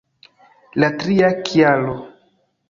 La tria kialo!